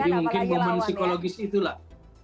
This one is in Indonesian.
jadi mungkin momen psikologis itulah